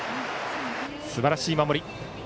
すばらしい守り。